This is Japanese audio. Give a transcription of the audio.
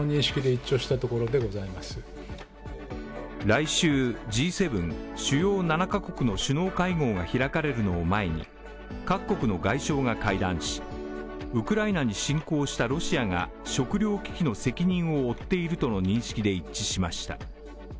来週、Ｇ７＝主要７か国の首脳会合が開かれるのを前に各国の外相が会談しウクライナに侵攻したロシアが食糧危機の責任を負っているとの認識で一致しました。